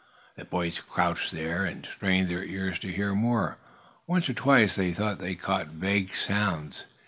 The boys crouched there, and strained their ears to hear more. Once or twice they thought they caught vague sounds.